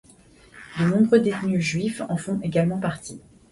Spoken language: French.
De nombreux détenus juifs en font également partie.